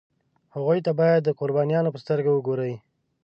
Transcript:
هغوی ته باید د قربانیانو په سترګه وګوري.